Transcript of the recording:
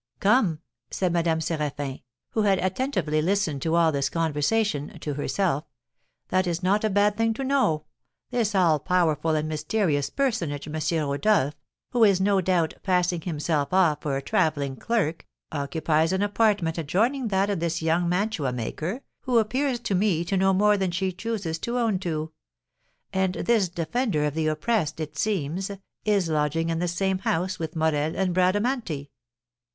"Come!" said Madame Séraphin (who had attentively listened to all this conversation) to herself, "that is not a bad thing to know. This all powerful and mysterious personage, M. Rodolph, who is, no doubt, passing himself off for a travelling clerk, occupies an apartment adjoining that of this young mantua maker, who appears to me to know much more than she chooses to own to; and this defender of the oppressed, it seems, is lodging in the same house with Morel and Bradamanti.